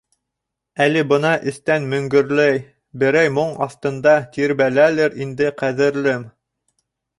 Әле бына эстән мөңгөрләй, берәй моң аҫтында тирбәләлер инде ҡәҙерлем.